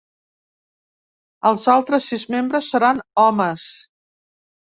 Els altres sis membres seran homes.